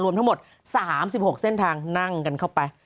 รวมทั้งหมด๓๖เส้นทางนั่งกันเข้าไป